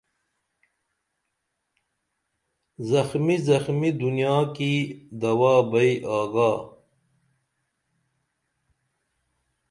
زخمی زخمی دنیا کی دوا بئی آگا